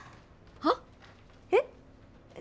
はっ？えっ？